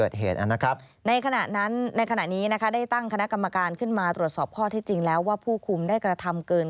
ได้ตั้งคณะกรรมการขึ้นมาตรวจสอบข้อที่จริงแล้วว่าผู้คุมได้กระทำเกิน